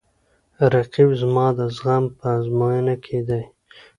رقیب زما د زغم په ازموینه کې دی